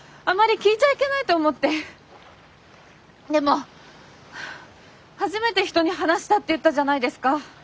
でも初めて人に話したって言ったじゃないですか。